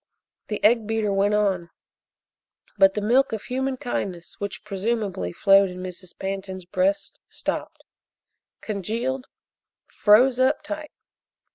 The egg beater went on, but the milk of human kindness which, presumably, flowed in Mrs. Pantin's breast stopped congealed froze up tight.